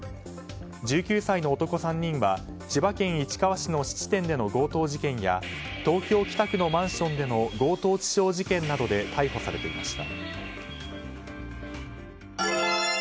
１９歳の男３人は千葉県市川市の質店での強盗事件や東京・北区のマンションでの強盗致傷事件などで逮捕されていました。